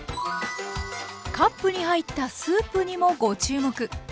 カップに入ったスープにもご注目。